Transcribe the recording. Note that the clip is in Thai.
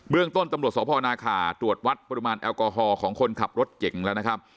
เรื่องต้นตำรวจสพนาคาตรวจวัดปริมาณแอลกอฮอลของคนขับรถเก่งแล้วนะครับ